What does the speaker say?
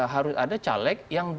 harus ada caleg yang